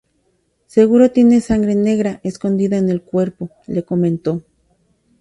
Seguro tienes sangre negra escondida en el cuerpo", le comentó.